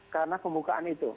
karena kebukaan itu